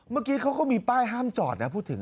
เมื่อกี้เขาก็มีป้ายห้ามจอดนะพูดถึง